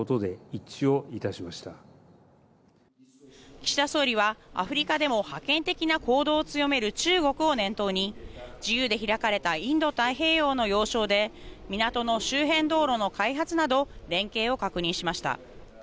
岸田総理は、アフリカでも覇権的な行動を強める中国を念頭に自由で開かれたインド太平洋の要衝で港の周辺道路の開発など連携を確認しました。